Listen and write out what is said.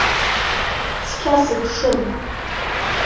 Цқьа сыԥшын.